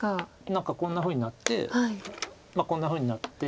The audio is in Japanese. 何かこんなふうになってこんなふうになって。